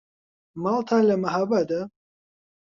ماڵتان لە مەهابادە؟